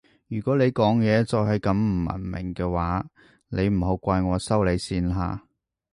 如果你講嘢再係咁唔文明嘅話你唔好怪我收你線吓